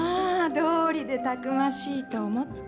どうりでたくましいと思った。